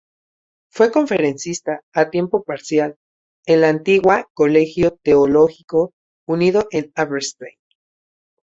Fue conferencista, a tiempo parcial, en la antigua Colegio Teológico Unido de Aberystwyth.